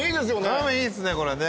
ラーメンいいですねこれね。